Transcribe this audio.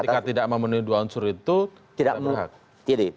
ketika tidak memenuhi dua unsur itu tidak berhak